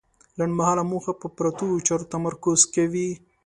لنډمهاله موخه په پرتو چارو تمرکز کوي.